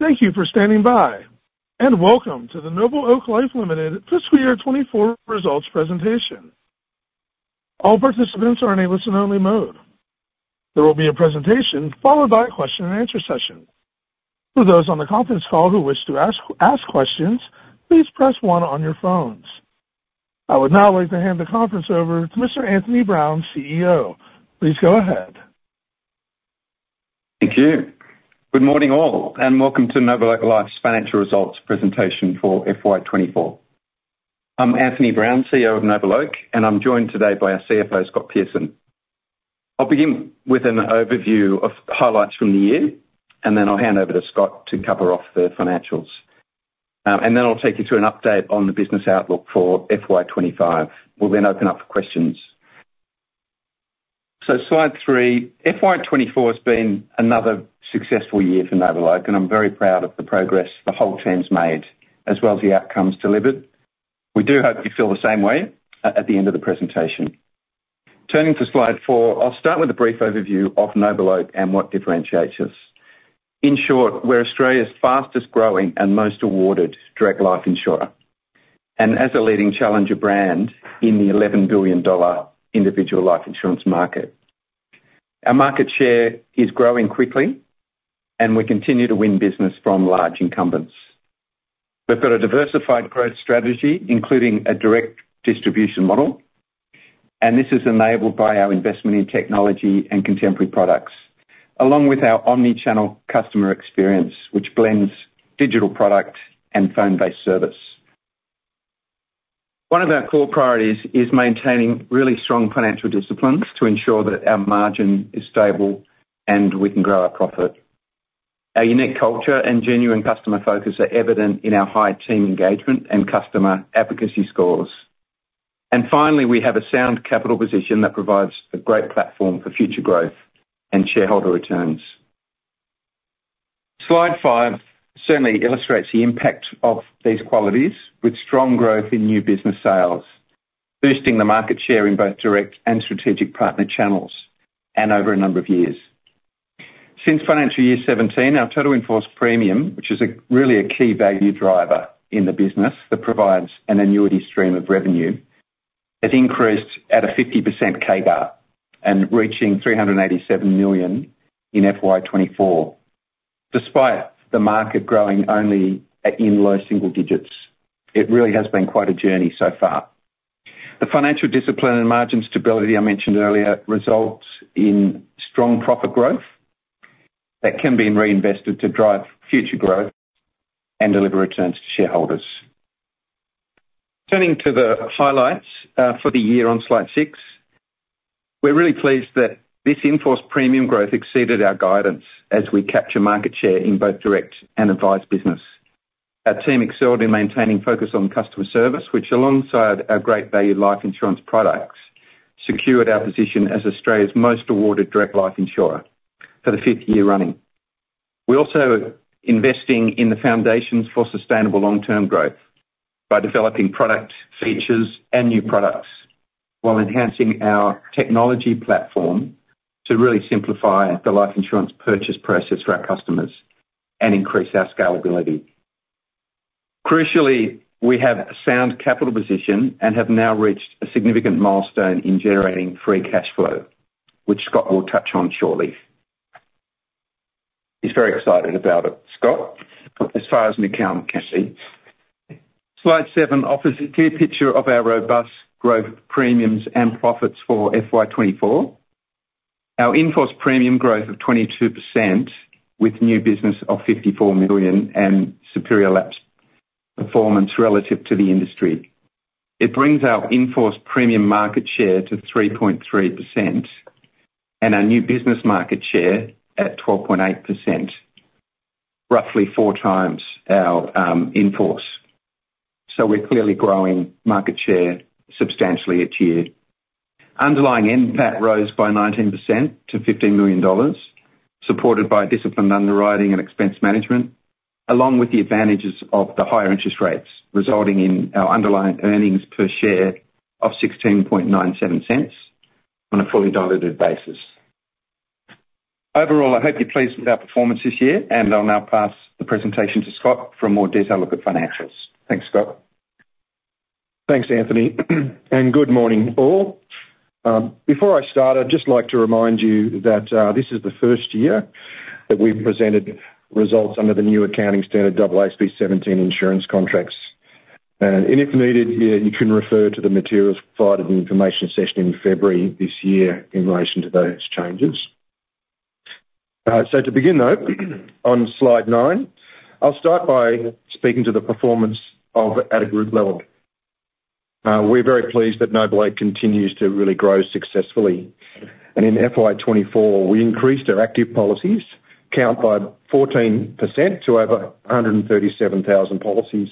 Thank you for standing by, and welcome to the NobleOak Life Limited Fiscal Year 2024 Results Presentation. All participants are in a listen-only mode. There will be a presentation followed by a question and answer session. For those on the conference call who wish to ask questions, please press one on your phones. I would now like to hand the conference over to Mr. Anthony Brown, CEO. Please go ahead. Thank you. Good morning, all, and welcome to NobleOak Life's financial results presentation for FY 2024. I'm Anthony Brown, CEO of NobleOak, and I'm joined today by our CFO, Scott Pearson. I'll begin with an overview of highlights from the year, and then I'll hand over to Scott to cover off the financials, and then I'll take you through an update on the business outlook for FY 2025. We'll then open up for questions. Slide three. FY 2024 has been another successful year for NobleOak, and I'm very proud of the progress the whole team's made, as well as the outcomes delivered. We do hope you feel the same way at the end of the presentation. Turning to slide four, I'll start with a brief overview of NobleOak and what differentiates us. In short, we're Australia's fastest growing and most awarded direct life insurer, and as a leading challenger brand in the 11 billion dollar individual life insurance market. Our market share is growing quickly, and we continue to win business from large incumbents. We've got a diversified growth strategy, including a direct distribution model, and this is enabled by our investment in technology and contemporary products, along with our omni-channel customer experience, which blends digital product and phone-based service. One of our core priorities is maintaining really strong financial disciplines to ensure that our margin is stable and we can grow our profit. Our unique culture and genuine customer focus are evident in our high team engagement and customer advocacy scores. And finally, we have a sound capital position that provides a great platform for future growth and shareholder returns. Slide five certainly illustrates the impact of these qualities, with strong growth in new business sales, boosting the market share in both direct and strategic partner channels, and over a number of years. Since financial year 2017, our total in-force premium, which is really a key value driver in the business that provides an annuity stream of revenue, has increased at a 50% CAGR, reaching 387 million in FY 2024. Despite the market growing only in low single digits, it really has been quite a journey so far. The financial discipline and margin stability I mentioned earlier, results in strong profit growth that can be reinvested to drive future growth and deliver returns to shareholders. Turning to the highlights for the year on slide six. We're really pleased that this in-force premium growth exceeded our guidance as we capture market share in both direct and advised business. Our team excelled in maintaining focus on customer service, which, alongside our great value life insurance products, secured our position as Australia's most awarded direct life insurer for the fifth year running. We're also investing in the foundations for sustainable long-term growth by developing product features and new products, while enhancing our technology platform to really simplify the life insurance purchase process for our customers and increase our scalability. Crucially, we have a sound capital position and have now reached a significant milestone in generating free cash flow, which Scott will touch on shortly. He's very excited about it. Scott, as far as I can see, slide seven offers a clear picture of our robust growth premiums and profits for FY 2024. Our in-force premium growth of 22%, with new business of 54 million and superior lapse performance relative to the industry. It brings our in-force premium market share to 3.3% and our new business market share at 12.8%, roughly four times our, in-force. So we're clearly growing market share substantially each year. Underlying NPAT rose by 19% to 15 million dollars, supported by disciplined underwriting and expense management, along with the advantages of the higher interest rates, resulting in our underlying earnings per share of 0.1697 on a fully diluted basis. Overall, I hope you're pleased with our performance this year, and I'll now pass the presentation to Scott for a more detailed look at financials. Thanks, Scott. Thanks, Anthony, and good morning, all. Before I start, I'd just like to remind you that this is the first year that we've presented results under the new accounting standard, AASB 17 insurance contracts, and if needed, you can refer to the materials provided in the information session in February this year in relation to those changes, so to begin, though, on slide nine, I'll start by speaking to the performance at a group level. We're very pleased that NobleOak continues to really grow successfully, and in FY 2024, we increased our active policies count by 14% to over one hundred and thirty-seven thousand policies.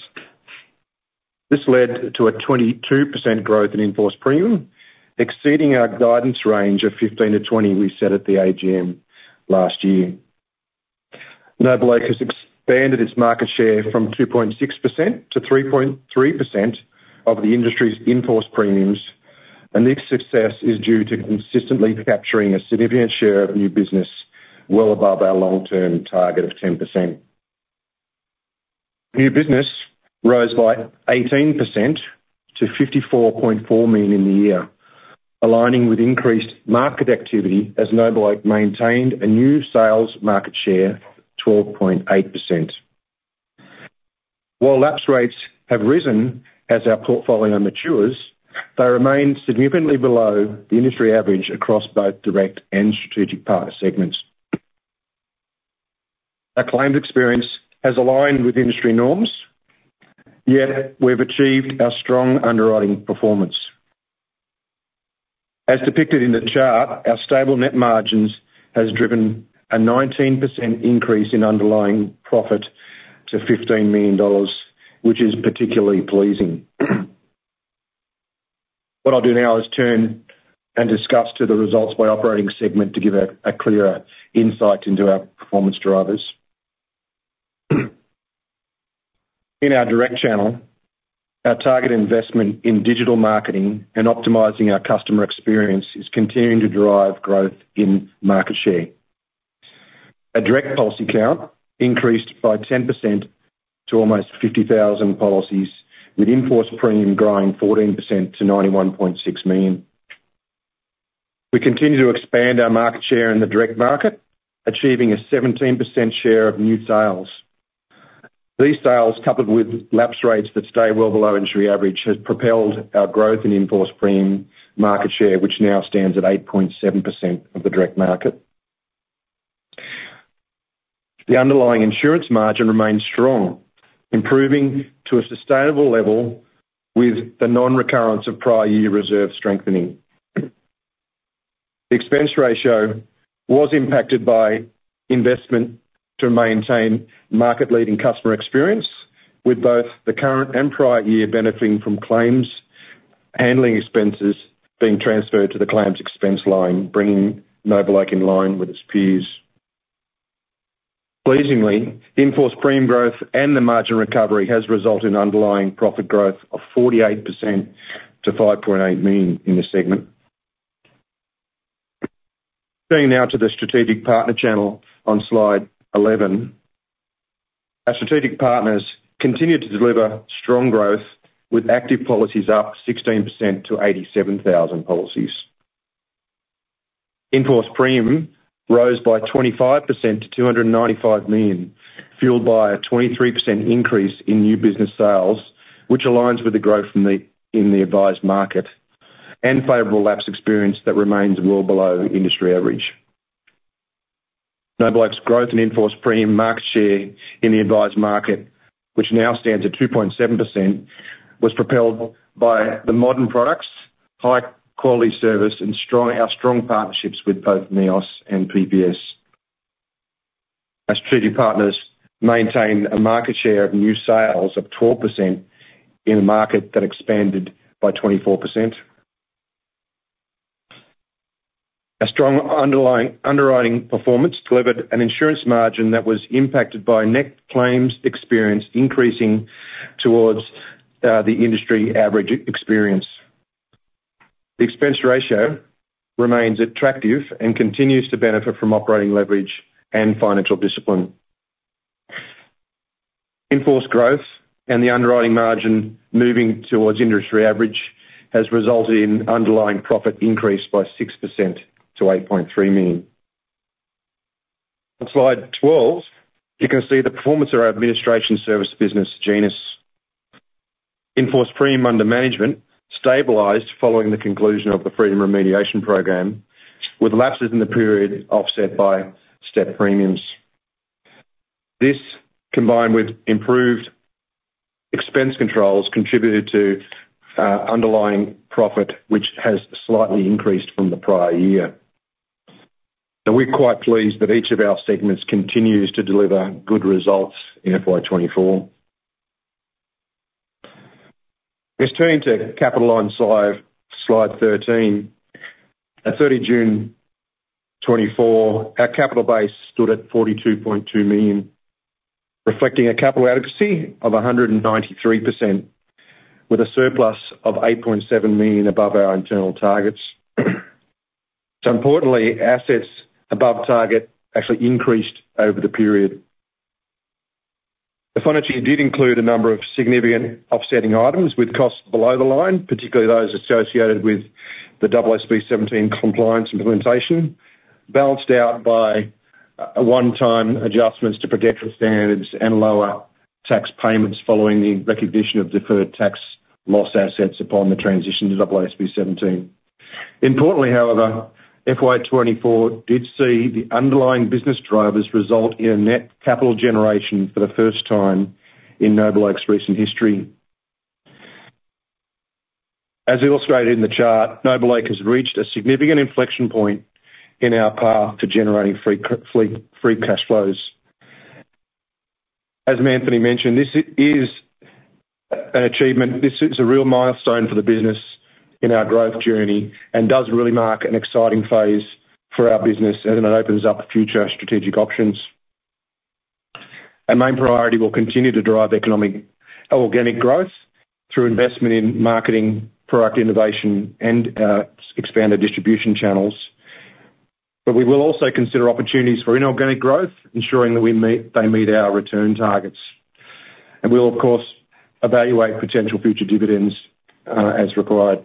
This led to a 22% growth in in-force premium, exceeding our guidance range of 15%-20% we set at the AGM last year. NobleOak has expanded its market share from 2.6%-3.3% of the industry's in-force premiums, and this success is due to consistently capturing a significant share of new business well above our long-term target of 10%. New business rose by 18% to 54.4 million in the year, aligning with increased market activity as NobleOak maintained a new sales market share, 12.8%. While lapse rates have risen as our portfolio matures, they remain significantly below the industry average across both direct and strategic partner segments. Our claims experience has aligned with industry norms, yet we've achieved a strong underwriting performance. As depicted in the chart, our stable net margins has driven a 19% increase in underlying profit to 15 million dollars, which is particularly pleasing. What I'll do now is turn and discuss to the results by operating segment to give a clearer insight into our performance drivers. In our direct channel, our target investment in digital marketing and optimizing our customer experience is continuing to drive growth in market share. Our direct policy count increased by 10% to almost 50,000 policies, with in-force premium growing 14% to 91.6 million. We continue to expand our market share in the direct market, achieving a 17% share of new sales. These sales, coupled with lapse rates that stay well below industry average, has propelled our growth in in-force premium market share, which now stands at 8.7% of the direct market. The underlying insurance margin remains strong, improving to a sustainable level with the non-recurrence of prior year reserve strengthening. The expense ratio was impacted by investment to maintain market-leading customer experience, with both the current and prior year benefiting from claims handling expenses being transferred to the claims expense line, bringing NobleOak in line with its peers. Pleasingly, the in-force premium growth and the margin recovery has resulted in underlying profit growth of 48% to 5.8 million in this segment. Turning now to the strategic partner channel on Slide 11. Our strategic partners continued to deliver strong growth, with active policies up 16% to 87,000 policies. In-force premium rose by 25% to 295 million, fueled by a 23% increase in new business sales, which aligns with the growth from the in the advised market, and favorable lapse experience that remains well below industry average. NobleOak's growth in in-force premium market share in the advised market, which now stands at 2.7%, was propelled by the modern products, high quality service, and strong partnerships with both NEOS and PPS. Our strategic partners maintain a market share of new sales of 12% in a market that expanded by 24%. A strong underwriting performance delivered an insurance margin that was impacted by net claims experience increasing towards the industry average experience. The expense ratio remains attractive and continues to benefit from operating leverage and financial discipline. In-force growth and the underwriting margin moving towards industry average has resulted in underlying profit increase by 6% to 8.3 million. On Slide 12, you can see the performance of our administration service business, Genus. In-force premium under management stabilized following the conclusion of the Freedom remediation program, with lapses in the period offset by stepped premiums. This, combined with improved expense controls, contributed to underlying profit, which has slightly increased from the prior year, so we're quite pleased that each of our segments continues to deliver good results in FY 2024. Let's turn to capital on slide 13. At 30 June 2024, our capital base stood at 42.2 million, reflecting a capital adequacy of 193%, with a surplus of 8.7 million above our internal targets, so importantly, assets above target actually increased over the period. The financial year did include a number of significant offsetting items with costs below the line, particularly those associated with the AASB 17 compliance implementation, balanced out by a one-time adjustments to prudential standards and lower tax payments following the recognition of deferred tax loss assets upon the transition to AASB 17. Importantly, however, FY 2024 did see the underlying business drivers result in a net capital generation for the first time in NobleOak's recent history. As illustrated in the chart, NobleOak has reached a significant inflection point in our path to generating free cash flows. As Anthony mentioned, this is an achievement. This is a real milestone for the business in our growth journey and does really mark an exciting phase for our business, and it opens up future strategic options. Our main priority will continue to drive organic growth through investment in marketing, product innovation, and expanded distribution channels. But we will also consider opportunities for inorganic growth, ensuring that they meet our return targets. And we'll, of course, evaluate potential future dividends as required.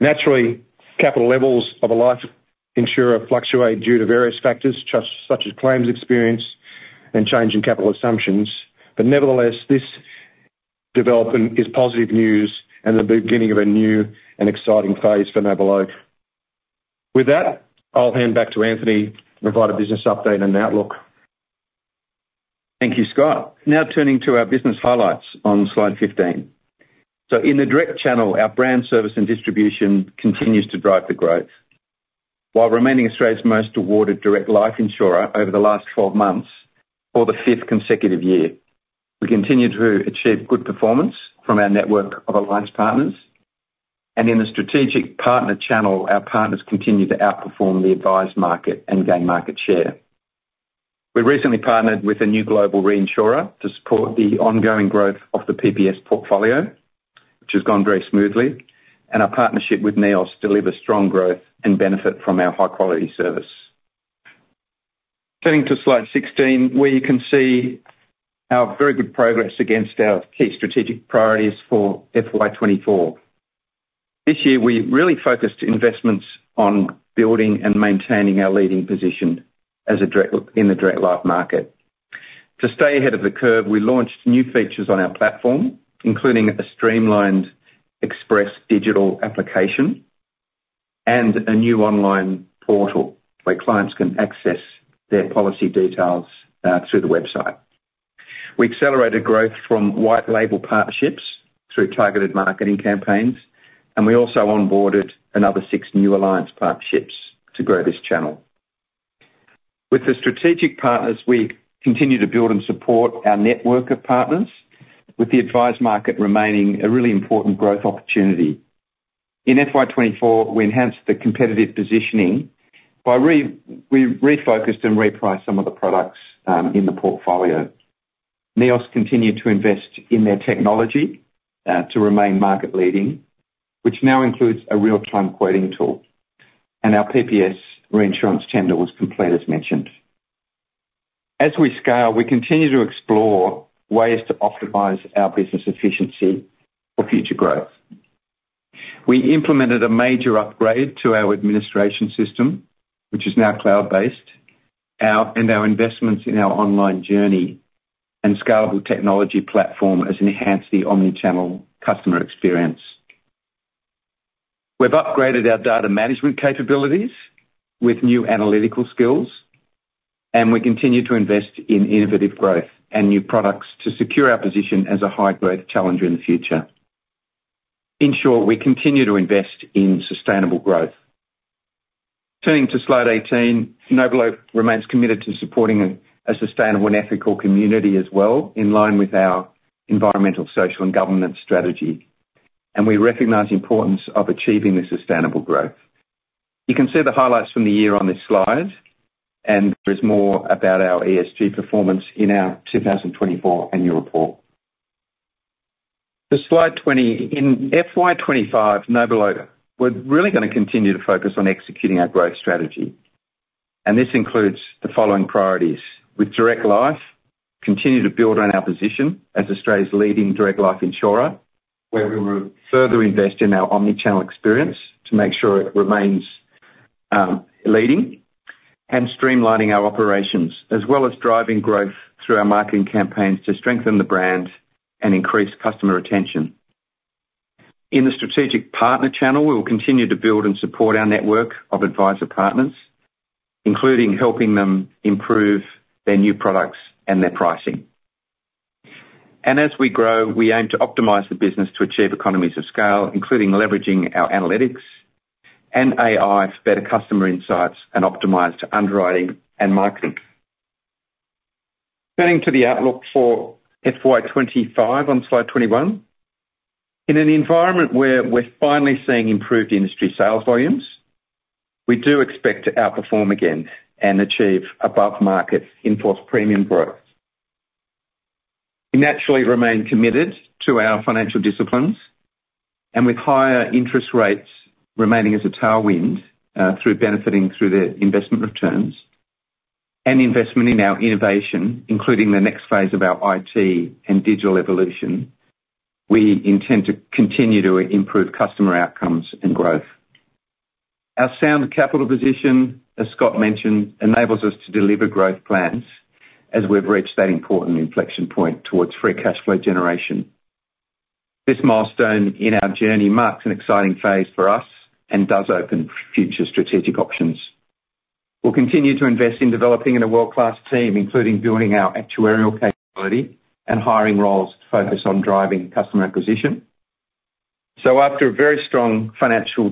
Naturally, capital levels of a life insurer fluctuate due to various factors, such as claims experience and changing capital assumptions. But nevertheless, this development is positive news and the beginning of a new and exciting phase for NobleOak. With that, I'll hand back to Anthony to provide a business update and outlook. Thank you, Scott. Now turning to our business highlights on slide 15. So in the direct channel, our brand, service, and distribution continues to drive the growth. While remaining Australia's most awarded direct life insurer over the last 12 months for the fifth consecutive year, we continue to achieve good performance from our network of alliance partners. And in the strategic partner channel, our partners continue to outperform the advised market and gain market share. We recently partnered with a new global reinsurer to support the ongoing growth of the PPS portfolio, which has gone very smoothly, and our partnership with NEOS delivers strong growth and benefit from our high-quality service. Turning to slide 16, where you can see our very good progress against our key strategic priorities for FY 2024. This year, we really focused investments on building and maintaining our leading position as a direct in the direct life market. To stay ahead of the curve, we launched new features on our platform, including a streamlined express digital application and a new online portal where clients can access their policy details through the website. We accelerated growth from white label partnerships through targeted marketing campaigns, and we also onboarded another six new alliance partnerships to grow this channel. With the strategic partners, we continue to build and support our network of partners, with the advised market remaining a really important growth opportunity. In FY 2024, we enhanced the competitive positioning by we refocused and repriced some of the products in the portfolio. NEOS continued to invest in their technology to remain market leading, which now includes a real-time quoting tool, and our PPS reinsurance tender was complete, as mentioned. As we scale, we continue to explore ways to optimize our business efficiency for future growth. We implemented a major upgrade to our administration system, which is now cloud-based, and our investments in our online journey and scalable technology platform has enhanced the omni-channel customer experience. We've upgraded our data management capabilities with new analytical skills, and we continue to invest in innovative growth and new products to secure our position as a high-growth challenger in the future. In short, we continue to invest in sustainable growth. Turning to slide 18, NobleOak remains committed to supporting a sustainable and ethical community as well, in line with our environmental, social, and governance strategy, and we recognize the importance of achieving the sustainable growth. You can see the highlights from the year on this slide, and there's more about our ESG performance in our 2024 annual report. To slide 20. In FY 2025, NobleOak, we're really going to continue to focus on executing our growth strategy, and this includes the following priorities: With Direct Life, continue to build on our position as Australia's leading direct life insurer, where we will further invest in our omni-channel experience to make sure it remains leading and streamlining our operations, as well as driving growth through our marketing campaigns to strengthen the brand and increase customer retention. In the strategic partner channel, we will continue to build and support our network of advisor partners, including helping them improve their new products and their pricing, and as we grow, we aim to optimize the business to achieve economies of scale, including leveraging our analytics and AI for better customer insights and optimized underwriting and marketing. Turning to the outlook for FY 2025 on slide 21. In an environment where we're finally seeing improved industry sales volumes, we do expect to outperform again and achieve above-market in-force premium growth. We naturally remain committed to our financial disciplines, and with higher interest rates remaining as a tailwind, benefiting from the investment returns and investment in our innovation, including the next phase of our IT and digital evolution, we intend to continue to improve customer outcomes and growth. Our sound capital position, as Scott mentioned, enables us to deliver growth plans as we've reached that important inflection point towards free cash flow generation. This milestone in our journey marks an exciting phase for us and does open future strategic options. We'll continue to invest in developing in a world-class team, including building our actuarial capability and hiring roles to focus on driving customer acquisition. So after a very strong financial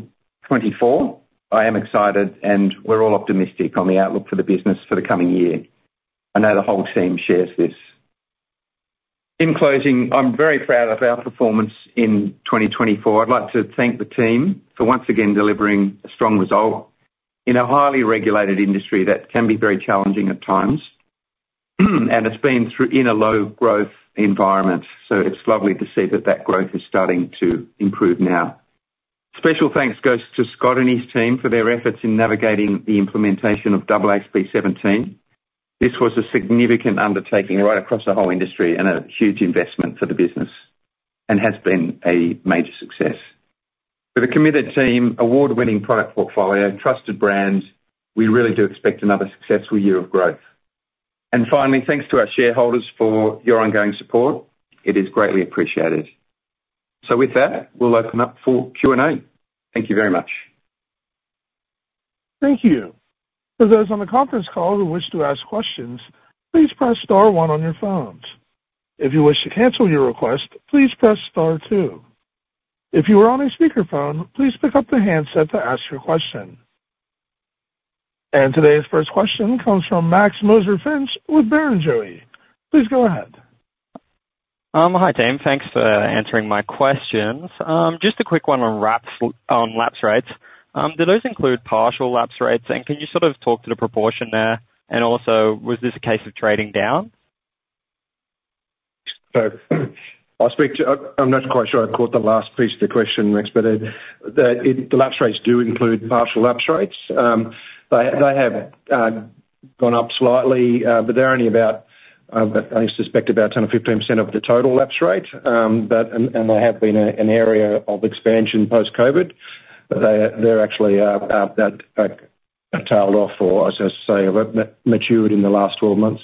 2024, I am excited, and we're all optimistic on the outlook for the business for the coming year. I know the whole team shares this. In closing, I'm very proud of our performance in 2024. I'd like to thank the team for once again delivering a strong result in a highly regulated industry that can be very challenging at times, and it's been through in a low growth environment. It's lovely to see that that growth is starting to improve now. Special thanks goes to Scott and his team for their efforts in navigating the implementation of AASB 17. This was a significant undertaking right across the whole industry and a huge investment for the business, and has been a major success. With a committed team, award-winning product portfolio, and trusted brands, we really do expect another successful year of growth. Finally, thanks to our shareholders for your ongoing support. It is greatly appreciated. With that, we'll open up for Q&A. Thank you very much. Thank you. For those on the conference call who wish to ask questions, please press star one on your phones. If you wish to cancel your request, please press star two. If you are on a speakerphone, please pick up the handset to ask your question. And today's first question comes from Max Meszaros with Barrenjoey. Please go ahead. Hi, Team. Thanks for answering my questions. Just a quick one on wraps, on lapse rates. Do those include partial lapse rates? And can you sort of talk to the proportion there? And also, was this a case of trading down? So I'll speak to. I'm not quite sure I caught the last piece of the question, Max, but the lapse rates do include partial lapse rates. They have gone up slightly, but they're only about. I suspect about 10%-15% of the total lapse rate. But and they have been an area of expansion post-COVID, but they're actually tailed off, or I was going to say matured in the last 12 months.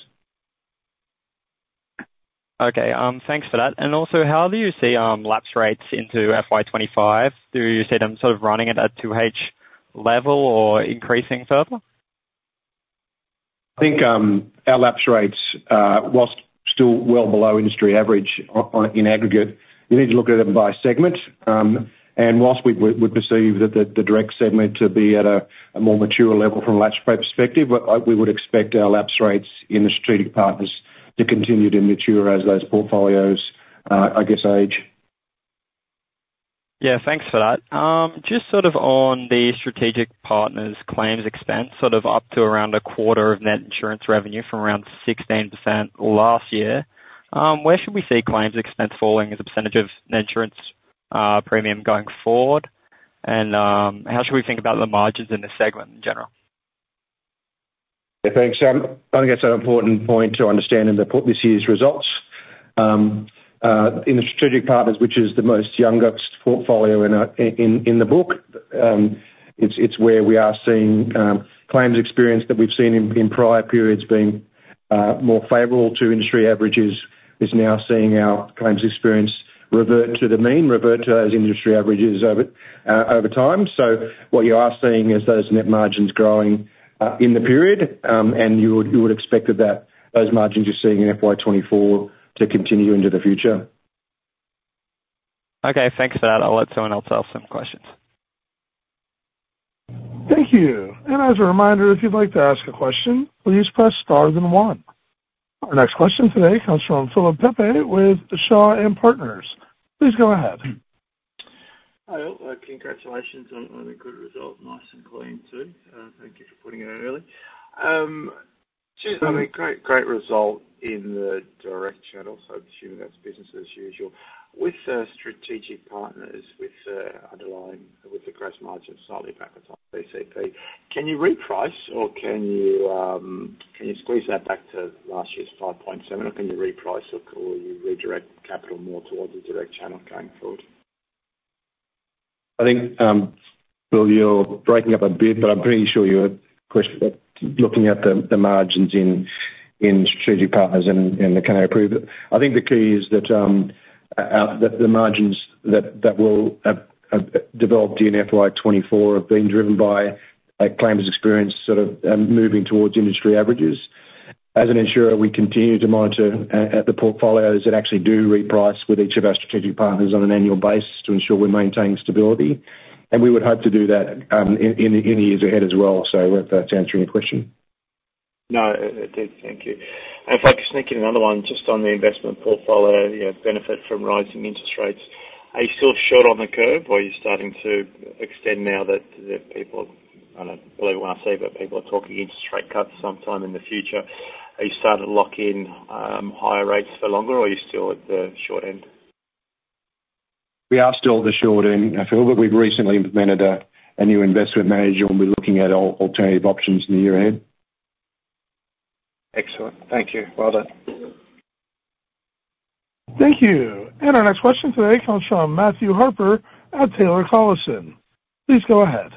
Okay, thanks for that. And also, how do you see lapse rates into FY 2025? Do you see them sort of running at a 2H level or increasing further? I think, our lapse rates, while still well below industry average in aggregate, you need to look at them by segment, and while we perceive that the direct segment to be at a more mature level from a lapse rate perspective, we would expect our lapse rates in the strategic partners to continue to mature as those portfolios, I guess, age. Yeah, thanks for that. Just sort of on the strategic partners claims expense, sort of up to around a quarter of net insurance revenue from around 16% last year, where should we see claims expense falling as a percentage of net insurance premium going forward? And, how should we think about the margins in this segment in general? Yeah, thanks. I think it's an important point to understand in the context of this year's results in the strategic partners, which is the most youngest portfolio in the book. It's where we are seeing claims experience that we've seen in prior periods being more favorable to industry averages is now seeing our claims experience revert to the mean, revert to those industry averages over time. So what you are seeing is those net margins growing in the period, and you would expect that those margins you're seeing in FY 2024 to continue into the future. Okay, thanks for that. I'll let someone else ask some questions. Thank you. And as a reminder, if you'd like to ask a question, please press star then one. Our next question today comes from Philip Pepe with the Shaw and Partners. Please go ahead. Hi all. Congratulations on a good result. Nice and clean, too. Thank you for putting it out early. I mean, great result in the direct channel, so assuming that's business as usual. With strategic partners, with underlying, with the gross margin slightly back on PCP, can you reprice or can you squeeze that back to last year's 5.7? Or can you reprice or redirect capital more towards the direct channel going forward? I think, Phil, you're breaking up a bit, but I'm pretty sure your question, looking at the margins in strategic partners and the can I approve it? I think the key is that the margins that will develop in FY 2024 have been driven by a claims experience sort of moving towards industry averages. As an insurer, we continue to monitor the portfolios that actually do reprice with each of our strategic partners on an annual basis to ensure we're maintaining stability, and we would hope to do that in the years ahead as well. So if that's answering your question. No, it did. Thank you. And if I can sneak in another one just on the investment portfolio, you know, benefit from rising interest rates. Are you still short on the curve or are you starting to extend now that, that people, I don't believe what I say, but people are talking interest rate cuts sometime in the future? Are you starting to lock in higher rates for longer, or are you still at the short end? We are still at the short end, Phil, but we've recently implemented a new investment manager, and we're looking at alternative options in the year ahead. Excellent. Thank you. Well done. Thank you. And our next question today comes from Matthew Harper at Taylor Collison. Please go ahead.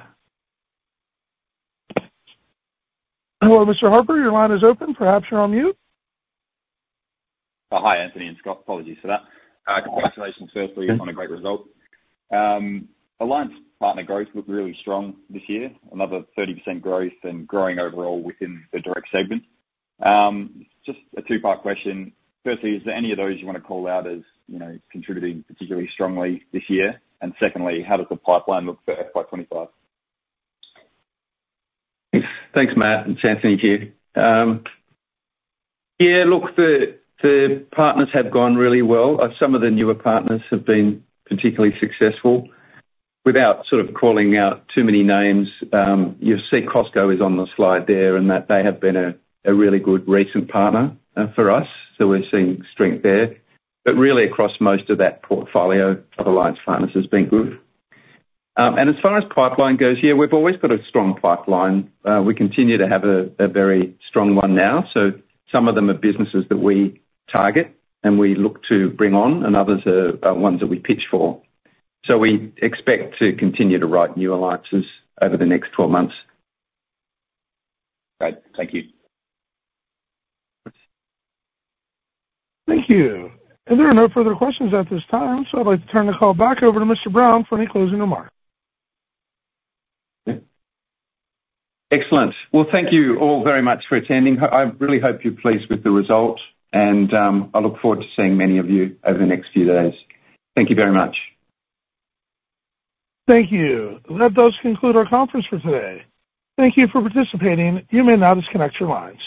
Hello, Mr. Harper, your line is open. Perhaps you're on mute. Oh, hi, Anthony and Scott. Apologies for that. Congratulations, firstly, on a great result. Alliance partner growth looked really strong this year, another 30% growth and growing overall within the direct segment. Just a two-part question. Firstly, is there any of those you want to call out as, you know, contributing particularly strongly this year? And secondly, how does the pipeline look for FY 2025? Thanks, Matt. It's Anthony here. Yeah, look, the partners have gone really well. Some of the newer partners have been particularly successful. Without sort of calling out too many names, you'll see Costco is on the slide there, and that they have been a really good recent partner for us, so we're seeing strength there. But really across most of that portfolio, other alliance partners has been good. And as far as pipeline goes, yeah, we've always got a strong pipeline. We continue to have a very strong one now. So some of them are businesses that we target, and we look to bring on, and others are ones that we pitch for. So we expect to continue to write new alliances over the next 12 months. Great. Thank you. Thank you. And there are no further questions at this time, so I'd like to turn the call back over to Mr. Brown for any closing remarks. Excellent. Thank you all very much for attending. I really hope you're pleased with the result, and I look forward to seeing many of you over the next few days. Thank you very much. Thank you. That concludes our conference for today. Thank you for participating. You may now disconnect your lines.